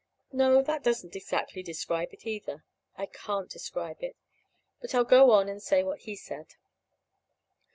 No, that doesn't exactly describe it either. I can't describe it. But I'll go on and say what he said.